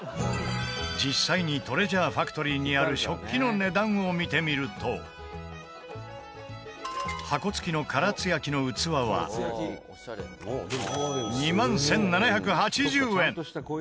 実際にトレジャーファクトリーにある食器の値段を見てみると箱付きの唐津焼の器は２万１７８０円